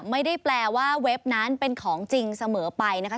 ไม่ได้แปลว่าเว็บนั้นเป็นของจริงเสมอไปนะคะ